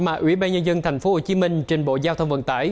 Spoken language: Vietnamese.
người nhân dân thành phố hồ chí minh trên bộ giao thông vận tải